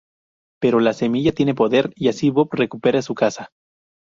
Pero la semilla tiene poder, y así Bob recupera su casa.